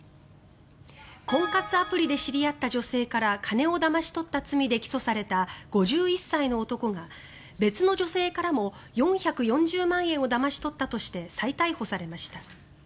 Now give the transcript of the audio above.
婚活アプリで知り合った女性から金をだまし取った罪で起訴された５１歳の男が別の女性からも４４０万円をだまし取ったとして再逮捕されました。